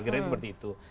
gara gara seperti itu